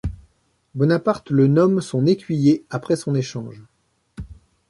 Bonaparte le nomme son écuyer après son échange.